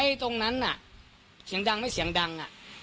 ตรงนั้นน่ะเสียงดังไม่เสียงดังอ่ะ